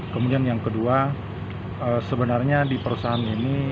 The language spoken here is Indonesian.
kemudian yang kedua sebenarnya di perusahaan ini